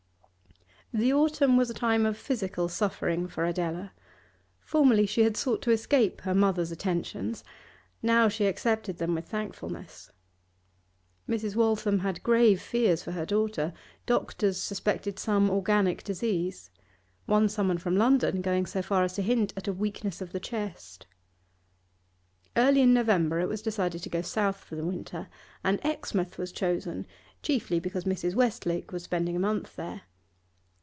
The autumn was a time of physical suffering for Adela. Formerly she had sought to escape her mother's attentions, now she accepted them with thankfulness. Mrs. Waltham had grave fears for her daughter; doctors suspected some organic disease, one summoned from London going so far as to hint at a weakness of the chest. Early in November it was decided to go south for the winter, and Exmouth was chosen, chiefly because Mrs. Westlake was spending a month there.